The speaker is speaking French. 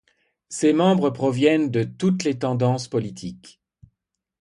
Ses membres proviennent de toutes les tendances politiques.